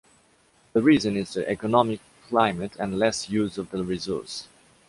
The reason is the economic climate and less use of the resource.